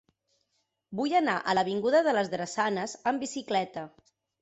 Vull anar a l'avinguda de les Drassanes amb bicicleta.